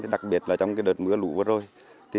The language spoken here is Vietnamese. đặc biệt là trong đợt mưa lũ vừa rồi